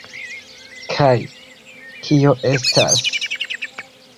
Kaj... kio estas...